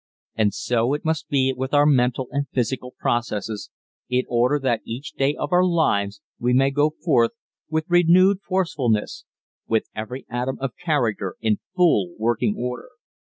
And so it must be with our mental and physical processes in order that each day of our lives we may go forth with renewed forcefulness with every atom of character in full working order.